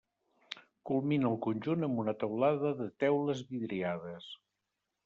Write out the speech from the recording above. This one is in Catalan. Culmina el conjunt amb una teulada de teules vidriades.